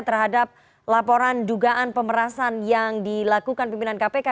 terhadap laporan dugaan pemerasan yang dilakukan pimpinan kpk